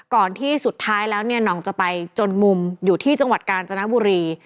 ก่อนที่สุดท้ายแล้วเนี่ยหน่องจะไปจนมุมอยู่ที่จังหวัดกาญจนบุรี